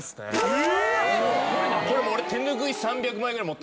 え